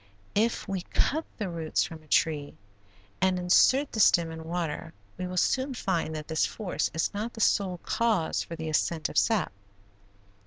If we cut the roots from a tree and insert the stem in water we will soon find that this force is not the sole cause for the ascent of sap.